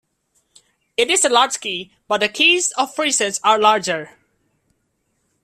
It is a large key, but the keys of prisons are larger.